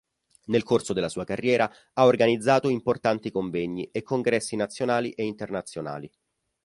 Nel corso della sua carriera, ha organizzato importanti convegni e congressi nazionali e internazionali.